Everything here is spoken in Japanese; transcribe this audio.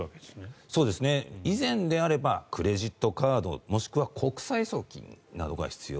以前であればクレジットカードもしくは国際送金などが必要。